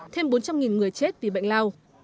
thêm bốn trăm linh người chết vì bệnh lao